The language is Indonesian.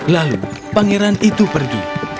lalu pangeran itu pergi